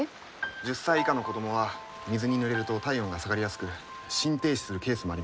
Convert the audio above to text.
１０歳以下の子供は水にぬれると体温が下がりやすく心停止するケースもあります。